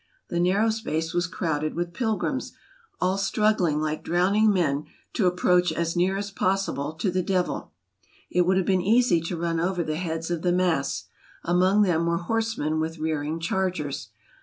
The narrow space was crowded with pilgrims, all struggling like drowning men to approach as near as possible to the Devil ; it would have been easy to run over the heads of the mass. Among them were horsemen with rearing chargers.